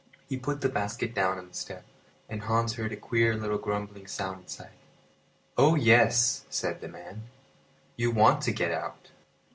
He put the basket down on the step, and Hans heard a queer little grumbling sound inside. "Oh yes," said the man, "you want to get out."